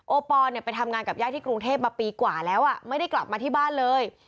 ปอนไปทำงานกับญาติที่กรุงเทพมาปีกว่าแล้วไม่ได้กลับมาที่บ้านเลย